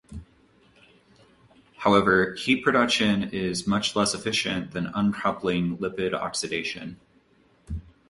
However, heat production is much less efficient than uncoupling lipid oxidation.